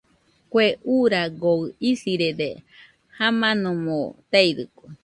Kue uuragoɨ isirede, jamanomo teidɨkue.